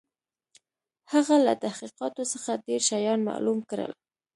هغه له تحقیقاتو څخه ډېر شيان معلوم کړل.